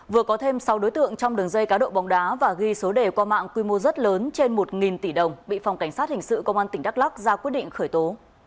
vừa có thêm sáu đối tượng trong đường dây cá độ bóng đá và ghi số đề qua mạng quy mô rất lớn trên một tỷ đồng bị phòng cảnh sát hình sự công an tỉnh đắk lắc ra quyết định khởi tố